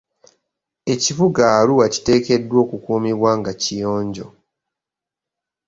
Ekibuga Arua kiteekeddwa okukuumibwa nga kiyonjo.